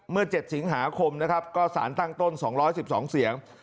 ๗สิงหาคมนะครับก็สารตั้งต้น๒๑๒เสียง